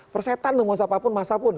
persetan loh mau siapapun masapun